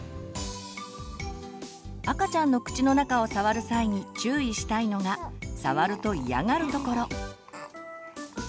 赤ちゃんの口の中を触る際に注意したいのが触ると嫌がるところ。